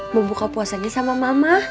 mau buka puasa aja sama mama